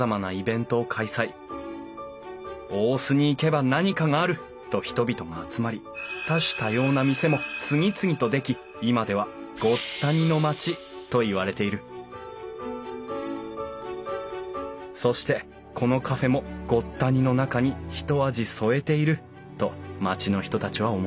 大須に行けば何かがあると人々が集まり多種多様な店も次々と出来今ではごった煮の町といわれているそしてこのカフェもごった煮の中にひと味添えていると町の人たちは思っている